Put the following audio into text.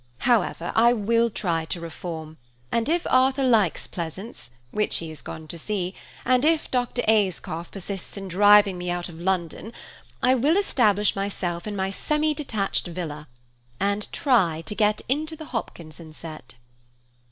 However, I will try to reform, and if Arthur likes Pleasance, which he is gone to see, and if Dr. Ayscough persists in driving me out of London, I will establish myself in my semi detached villa, and try to get into the Hopkinson set."